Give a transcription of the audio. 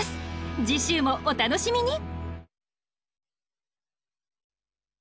次週もお楽しみに！